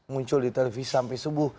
muncul di televisi sampai subuh